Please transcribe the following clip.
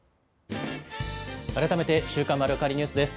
改めて週刊まるわかりニュースです。